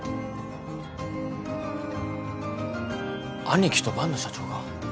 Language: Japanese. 兄貴と万野社長が？